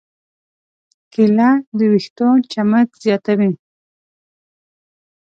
کېله د ویښتو چمک زیاتوي.